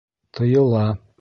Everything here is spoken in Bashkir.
Тыйыла